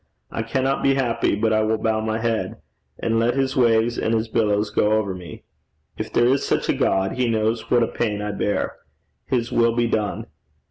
I cannot be happy, but I will bow my head and let his waves and his billows go over me. If there is such a God, he knows what a pain I bear. His will be done.